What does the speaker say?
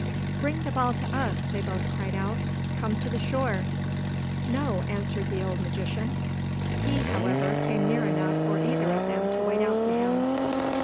"Bring the ball to us," they both cried ont. "Come to the shore." "No," answered the old magician. He, however, came near enough for either of them to wade out to him.